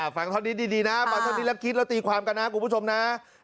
ฟังเท่านี้ดีนะฟังเท่านี้แล้วคิดแล้วตีความกันนะคุณผู้ชมนะ